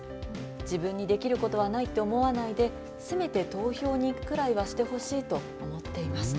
自分にできることはないと思わないですべて投票に行くくらいはしてほしいと思ってますと。